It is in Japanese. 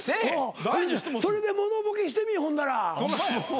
それで物ボケしてみいほんなら。